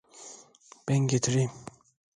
Ben getireyim.